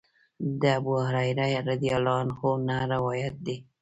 د ابوهريره رضی الله عنه نه روايت دی :